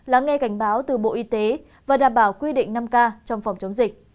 lắng nghe cảnh báo từ bộ y tế và đảm bảo quy định năm k trong phòng chống dịch